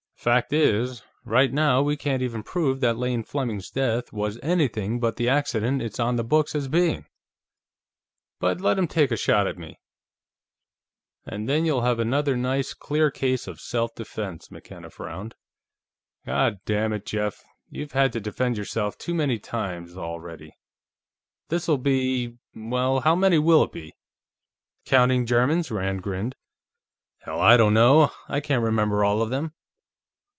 Fact is, right now we can't even prove that Lane Fleming's death was anything but the accident it's on the books as being. But let him take a shot at me...." "And then you'll have another nice, clear case of self defense." McKenna frowned. "Goddammit, Jeff, you've had to defend yourself too many times, already. This'll be well, how many will it be?" "Counting Germans?" Rand grinned. "Hell, I don't know; I can't remember all of them."